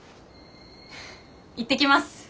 いってきます！